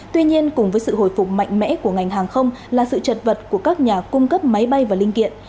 tuy nhiên cùng với sự hồi phục mạnh mẽ của ngành hàng không là sự chật vật của các nhà cung cấp máy bay và linh kiện